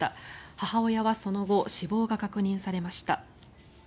母親はその後死亡が確認されました。